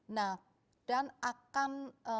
nah dan akan